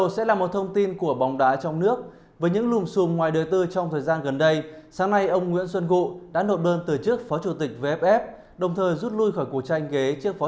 xin chào và hẹn gặp lại trong các video tiếp theo